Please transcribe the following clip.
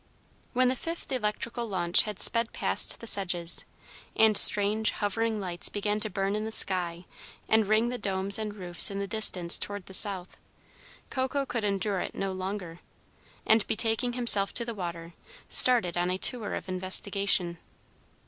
When the fifth electrical launch had sped past the sedges, and strange, hovering lights began to burn in the sky, and ring the domes and roofs in the distance toward the south, Coco could endure it no longer, and, betaking himself to the water, started on a tour of investigation.